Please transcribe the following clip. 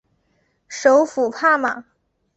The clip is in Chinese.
首府帕马。